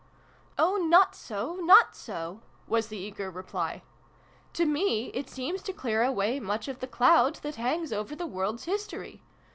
" Oh, not so, not so !" was the eager reply. " To me it seems to clear away much of the cloud that hangs over the world's history.